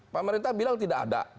pemerintah bilang tidak ada